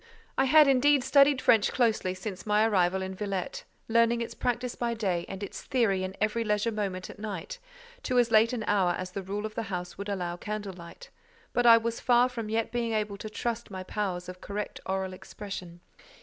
I had, indeed, studied French closely since my arrival in Villette; learning its practice by day, and its theory in every leisure moment at night, to as late an hour as the rule of the house would allow candle light; but I was far from yet being able to trust my powers of correct oral expression.